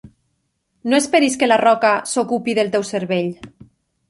No esperis que "La Roca" s'ocupi del teu cervell.